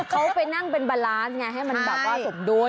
เขาไปนั่งเป็นบาลานซ์ไงให้มันแบบว่าสมดุล